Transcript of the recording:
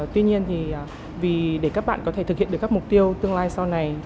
tuy nhiên thì vì để các bạn có thể thực hiện được các mục tiêu tương lai sau này